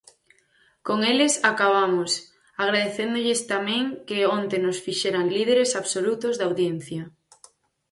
Con eles acabamos, agradecéndolles tamén que onte nos fixeran líderes absolutos de audiencia.